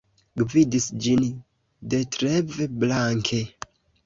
Gvidis ĝin Detlev Blanke.